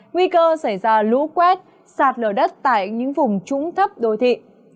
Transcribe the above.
nguy cơ xảy ra lũ quét sạt lở đất tại những vùng trũng thấp đô thị